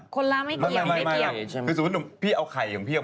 คนลาไม่เกี่ยว